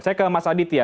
saya ke mas aditya